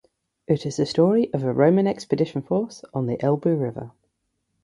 It is a story of a Roman expedition force on the Elbe river.